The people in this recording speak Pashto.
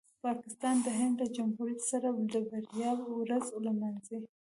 پاکستان د هند له جمهوریت سره د بریا ورځ نمانځي.